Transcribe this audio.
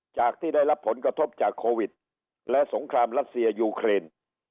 จากที่ได้รับผลกระทบจากโควิดและสงครามรัสเซียยูเครน